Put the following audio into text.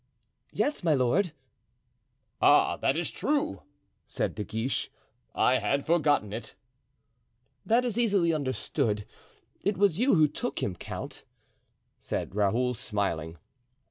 "Yes, my lord." "Ah, that is true," said De Guiche; "I had forgotten it." "That is easily understood; it was you who took him, count," said Raoul, smiling.